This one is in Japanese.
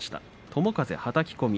友風、はたき込み。